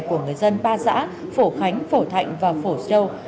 của người dân ba giã phổ khánh phổ thạnh và phổ sâu